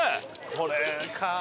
これかな。